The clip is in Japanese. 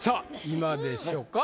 「今でしょ！」か